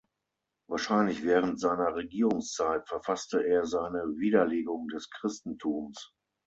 Wahrscheinlich während seiner Regierungszeit verfasste er seine Widerlegung des Christentums.